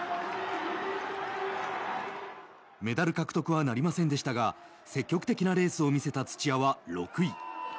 メダル獲得はなりませんでしたが積極的なレースを見せた土屋は６位。